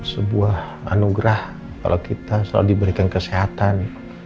sebuah anugerah kalau kita selalu diberikan kesehatan